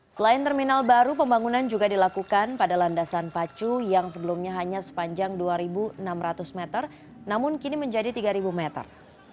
selain terminal baru pembangunan juga dilakukan pada landasan pacu yang sebelumnya hanya sepanjang dua enam ratus meter namun kini menjadi tiga meter